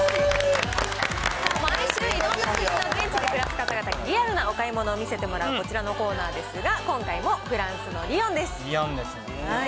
毎週いろんな現地で暮らす方々のリアルなお買い物を見せてもらうこちらのコーナーですが、リヨンですね。